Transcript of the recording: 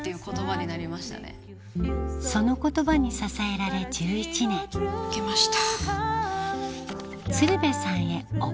その言葉に支えられ１１年書けました。